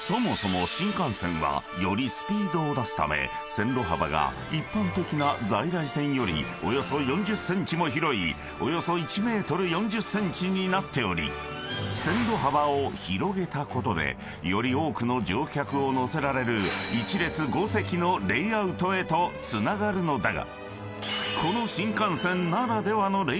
［線路幅が一般的な在来線よりおよそ４０ｃｍも広いおよそ１ｍ４０ｃｍになっており線路幅を広げたことでより多くの乗客を乗せられる１列５席のレイアウトへとつながるのだが］